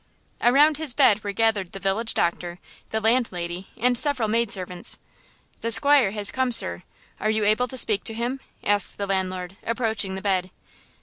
Around his bed were gathered the village doctor, the land lady and several maid servants. "The squire has come, sir; are you able to speak to him?" asked the landlord, approaching the bed.